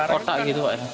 kotak gitu ya